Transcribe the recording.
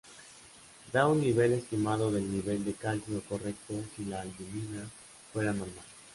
Da un nivel estimado del nivel de calcio correcto si la albúmina fuera normal.